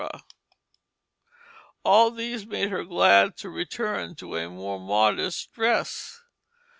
all these made her glad to return to a more modest dress.